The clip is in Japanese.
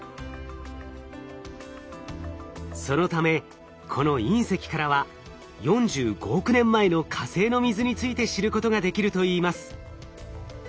そのためこの隕石からは４５億年前の火星の水について知ることができるといいます。